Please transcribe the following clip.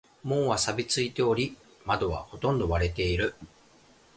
門は錆びついており、窓はほとんど割れている。